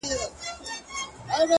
• لکه اوښکه بې هدفه رغړېدمه ,